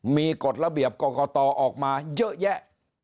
มีกฎระเบียบกรกตออกมาเยอะแยะ